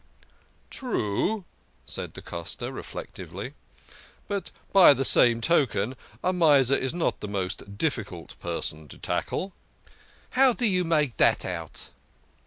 " True," said da Costa reflectively, " but by that same token a miser is not the most difficult person to tackle." " How do you make dat out?